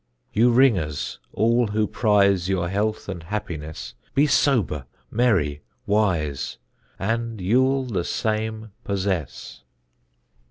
Ye ringers, all who prize Your health and happiness, Be sober, merry, wise, And you'll the same possess.